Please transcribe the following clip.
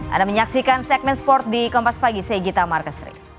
ada menyaksikan segmen sport di kompas pagi saya gita markestri